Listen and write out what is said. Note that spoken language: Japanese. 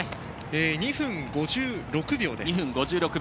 ２分５６秒です。